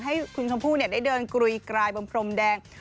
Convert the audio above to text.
ให้คุณชมพู่ได้เดินกรุยกรายบนพรมแดง